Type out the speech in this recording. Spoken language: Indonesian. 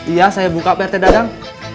iya saya buka pt dagang